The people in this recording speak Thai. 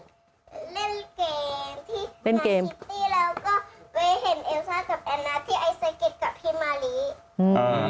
เล่นเกมที่ไอ้ไซเก็ตกับพี่มะลิเล่นเกม